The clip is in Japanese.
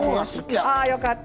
あよかった。